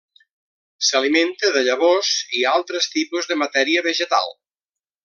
S'alimenta de llavors i altres tipus de matèria vegetal.